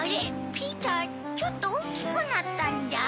ピーターちょっとおおきくなったんじゃ？